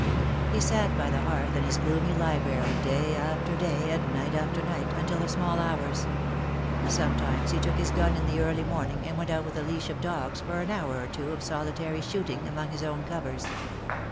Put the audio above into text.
He sat by the hearth in his gloomy library day after day, and night after night, until the small hours. Sometimes he took his gun in the early morning, and went out with a leash of dogs for an hour or two of solitary shooting among his own covers.